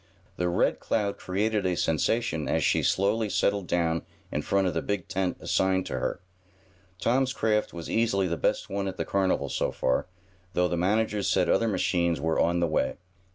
The Red Cloud created a sensation as she slowly settled down in front of the big tent assigned to her. Tom's craft was easily the best one at the carnival, so far, though the managers said other machines were on the way.